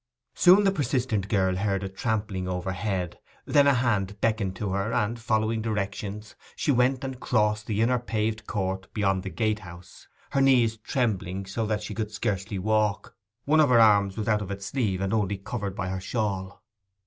Soon the persistent girl heard a trampling overhead, then a hand beckoned to her, and, following directions, she went out and crossed the inner paved court beyond the gatehouse, her knees trembling so that she could scarcely walk. One of her arms was out of its sleeve, and only covered by her shawl.